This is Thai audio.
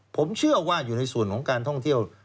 ผมเชื่อว่าอยู่ในส่วนของการท่องเที่ยว